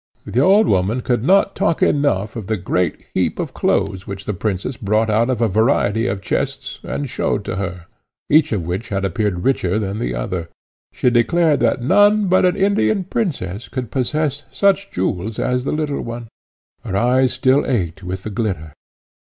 The old woman could not talk enough of the great heap of clothes which the princess brought out of a variety of chests and showed to her, each of which had appeared richer than the other. She declared that none but an Indian princess could possess such jewels as the little one; her eyes still ached with the glitter.